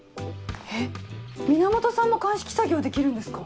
えっ源さんも鑑識作業できるんですか？